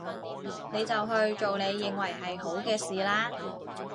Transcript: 你就去做你認為係好嘅事啦